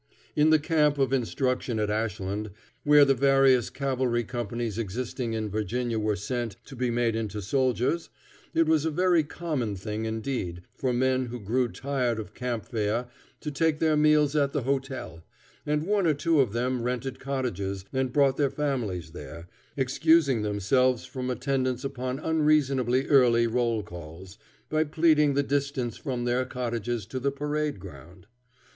In the camp of instruction at Ashland, where the various cavalry companies existing in Virginia were sent to be made into soldiers, it was a very common thing indeed for men who grew tired of camp fare to take their meals at the hotel, and one or two of them rented cottages and brought their families there, excusing themselves from attendance upon unreasonably early roll calls, by pleading the distance from their cottages to the parade ground.